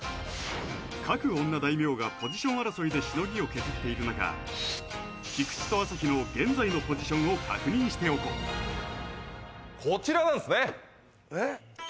各おんな大名がポジション争いでしのぎを削っている中菊地と朝日の現在のポジションを確認しておこうこちらなんですねえっ？